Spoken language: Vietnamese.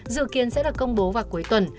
dự kiến sẽ được công bố vào cuối tuần